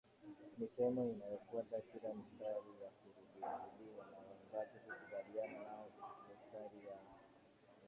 misemo inayofuata kila mstari kwa kurudiwarudiwa na waimbaji kukabiliana na mistari yao